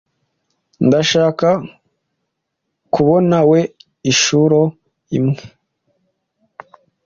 Ndashaka kubonawe inshuro imwe.